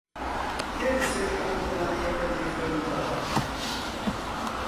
کێ نووسەری ئەو ڕۆمانەیە کە دەیخوێنیتەوە؟